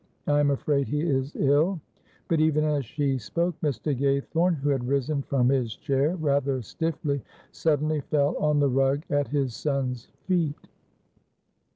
I am afraid he is ill." But even as she spoke, Mr. Gaythorne, who had risen from his chair rather stiffly, suddenly fell on the rug at his son's feet.